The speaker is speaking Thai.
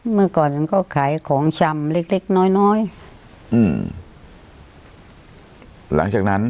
เมื่อก่อนฉันก็ขายของชำเล็กเล็กน้อยน้อยอืมหลังจากนั้น